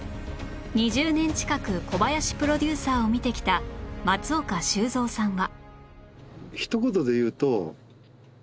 ２０年近く小林プロデューサーを見てきた松岡修造さんは